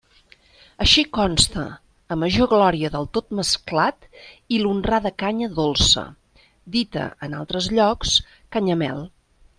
Així consta, a major glòria del tot mesclat i l'honrada canya dolça, dita en altres llocs canyamel.